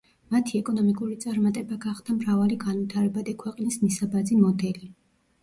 მათი ეკონომიკური წარმატება გახდა მრავალი განვითარებადი ქვეყნების მისაბაძი მოდელი.